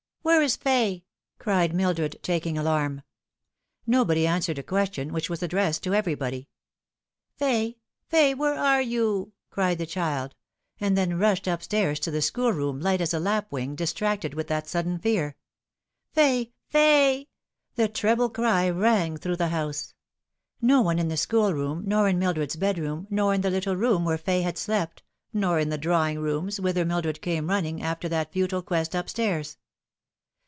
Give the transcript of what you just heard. " Where is Fay ?" cried Mildred, taking alarm. Nobody answered a question which was addressed to every body. " Fay, Fay, where are you ?" cried the child, and then rushed up stairs to the schoolroom, light as a lapwing, distracted with that sudden fear. "Fay, Fay !" The treble cry rang through the house. No one in the schoolroom, nor in Mildred's bedroom, nor in the little room where Fay had slept, nor in the drawing rooms, whither Mildred came running, after that futile quest up stairs.